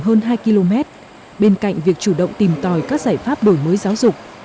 hơn hai km bên cạnh việc chủ động tìm tòi các giải pháp đổi mới giáo dục